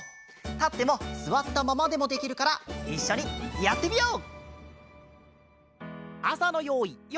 たってもすわったままでもできるからいっしょにやってみよう！